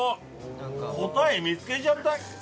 答え見つけちゃった？